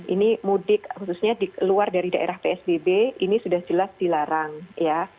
ini mudik khususnya di luar dari daerah psbb ini sudah jelas dilarang ya